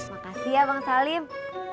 makasih ya bang salim